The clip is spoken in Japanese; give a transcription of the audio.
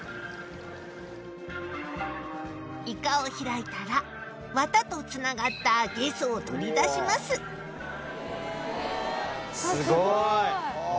イカを開いたらワタとつながったゲソを取り出しますすごい。